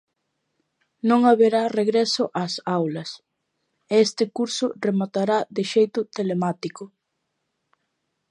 Non haberá regreso ás aulas, e este curso rematará de xeito telemático.